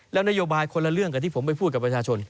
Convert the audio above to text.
แล้วนโยบายคนละเรื่องกับที่ผมไปพูดกับประชาชน